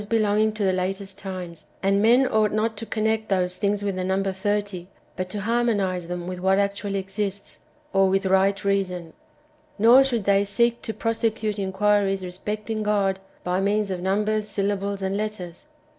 213 to the latest times; and men onglit not to connect those things with the number thirty^ but to harmonize them with wdiat actually exists, or with right reason. Nor should they j/ seek to prosecute inquiries respecting God by means of num bers, syllables/ and letters.